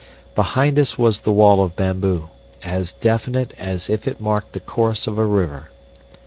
Behind us was the wall of bamboo, as definite as if it marked the course of a river.